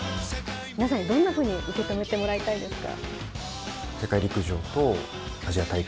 皆さんにどんなふうに受け止めてもらいたいですか。